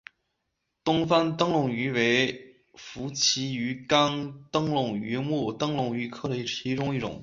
东方灯笼鱼为辐鳍鱼纲灯笼鱼目灯笼鱼科的其中一种。